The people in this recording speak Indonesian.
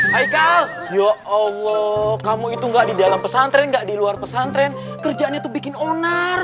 hai yo allah kamu itu nggak di dalam pesantren nggak di luar pesantren kerjaan itu bikin onar